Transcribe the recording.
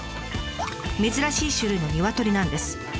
珍しい種類のニワトリなんです。